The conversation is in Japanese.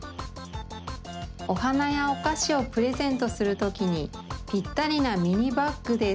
おはなやおかしをプレゼントするときにピッタリなミニバッグです。